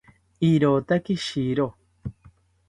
Irotaki shiro